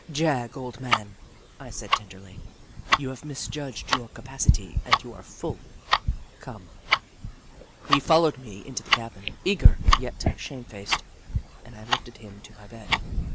"Jagg, old man," I said, tenderly, "you have misjudged your capacity and you are full. CI) ome. He followed me into the cabin, eager, yet shamefaced, and I lifted him to my bed.